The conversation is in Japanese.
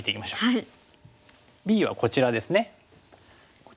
はい。